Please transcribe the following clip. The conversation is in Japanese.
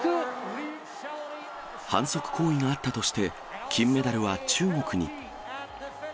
反則行為があったとして、金メダルは中国に。